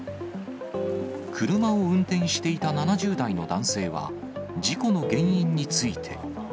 車を運転していた７０代の男性は、事故の原因について。